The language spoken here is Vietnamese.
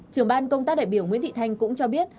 trưởng ban công tác đại biểu nguyễn thị thanh cũng cho biết